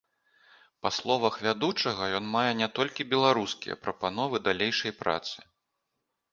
Па словах вядучага, ён мае не толькі беларускія прапановы далейшай працы.